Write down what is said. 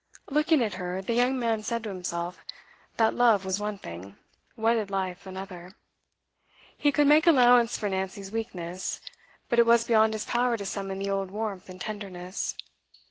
Looking at her, the young man said to himself, that love was one thing, wedded life another. He could make allowance for Nancy's weakness but it was beyond his power to summon the old warmth and tenderness.